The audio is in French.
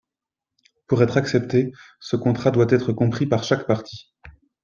Pour être accepté, ce contrat doit être compris par chaque partie.